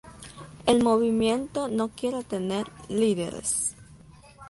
El movimiento no quiere tener líderes.